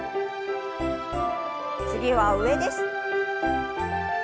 次は上です。